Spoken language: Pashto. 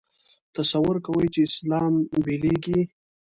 تصور کوي چې اسلام بېلېږي.